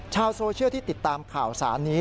ชาวโซเชียลที่ติดตามข่าวสารนี้